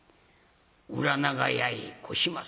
裏長屋へ越します。